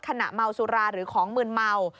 เมาสุราหรือของมืนเมา